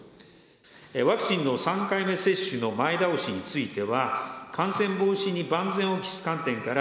ワクチンの３回目接種の前倒しについては、感染防止に万全を期す観点から、